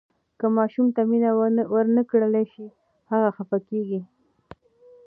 که ماشوم ته مینه ورنکړل شي، هغه خفه کیږي.